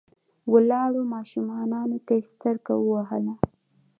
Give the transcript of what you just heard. ولاړو ماشومانو ته يې سترګه ووهله.